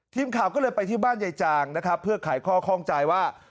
ทีมข่าวก็เลยไปที่บ้านยายจางนะครับเพื่อขายข้อข้องใจว่า